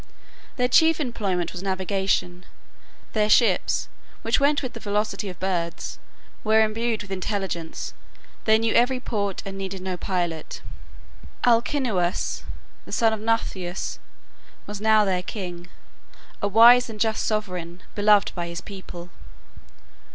Their chief employment was navigation. Their ships, which went with the velocity of birds, were endued with intelligence; they knew every port and needed no pilot. Alcinous, the son of Nausithous, was now their king, a wise and just sovereign, beloved by his people.